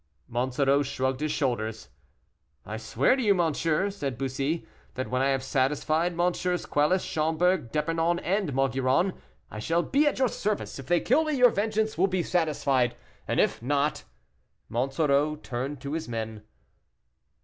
Monsoreau shrugged his shoulders. "I swear to you, monsieur," said Bussy, "that when I have satisfied MM. Quelus, Schomberg, D'Epernon, and Maugiron, I shall be at your service. If they kill me, your vengeance will be satisfied, and if not " Monsoreau turned to his men.